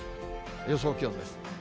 予想気温です。